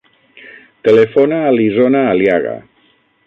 Telefona a l'Isona Aliaga.